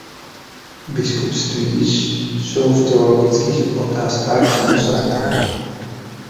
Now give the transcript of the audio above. Biskupství jsou v teologických otázkách samostatná.